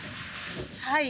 はい。